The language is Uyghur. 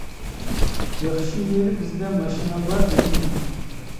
-ياخشى يېرى بىزدە ماشىنا بار، -دېدىم مەن.